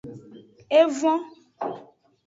Evon.